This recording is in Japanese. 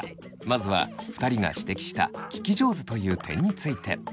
まずは２人が指摘した聞き上手という点について。